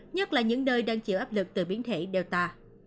nhất là những nơi đang chịu áp lực từ biến thể data